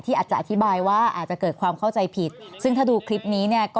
อาจจะอธิบายว่าอาจจะเกิดความเข้าใจผิดซึ่งถ้าดูคลิปนี้เนี่ยก็